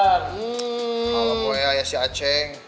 kalau gawain ya si aceh